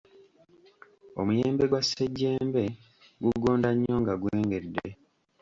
Omuyembe gwa ssejjembe gugonda nnyo nga gwengedde.